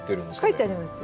書いてありますよね。